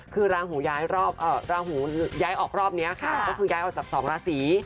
คือราหูย้ายออกรอบนี้ค่ะก็คือย้ายออกจาก๒ราศรี